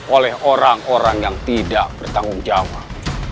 oleh orang orang yang tidak bertanggung jawab